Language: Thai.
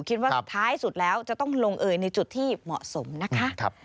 คิดว่าสุดท้ายสุดแล้วจะต้องลงเอยในจุดที่เหมาะสมนะคะ